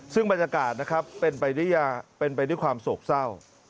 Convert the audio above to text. ซึ่งบรรยากาศนะครับเป็นไปด้วยความโศกเศร้า